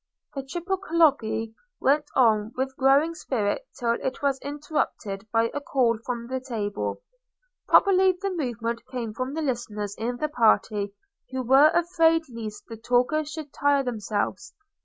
The triple colloquy went on with growing spirit till it was interrupted by a call from the table. Probably the movement came from the listeners in the party, who were afraid lest the talkers should tire themselves.